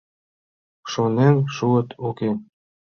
Шонен шуыт — уке.